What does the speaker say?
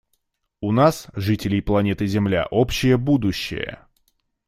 У нас, жителей планеты Земля, общее будущее.